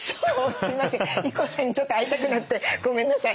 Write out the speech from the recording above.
すいませんＩＫＫＯさんにちょっと会いたくなってごめんなさい。